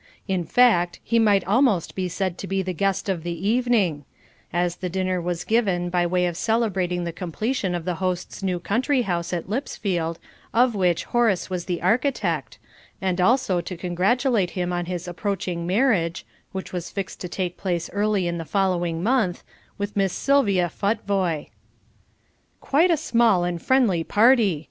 In fact, he might almost be said to be the guest of the evening, as the dinner was given by way of celebrating the completion of the host's new country house at Lipsfield, of which Horace was the architect, and also to congratulate him on his approaching marriage (which was fixed to take place early in the following month) with Miss Sylvia Futvoye. "Quite a small and friendly party!"